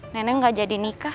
neneng gak jadi nikah